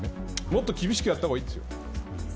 もっと厳しくやった方がいいですよ。